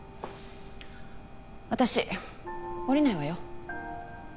私降りないわよ